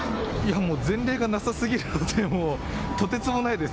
前例がなさすぎるのでとてつもないです。